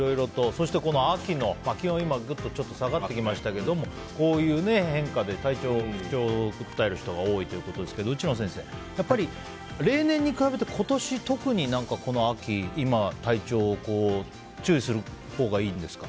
そして、秋の今、気温がぐっと下がってきましたけどこういう変化で不調を訴える人が多いということですが内野先生、やっぱり例年に比べて今年特にこの秋、今、体調に注意するほうがいいんですか。